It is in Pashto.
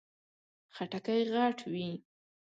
خټکی غټ وي.